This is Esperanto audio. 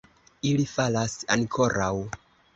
Ili falas ankoraŭ!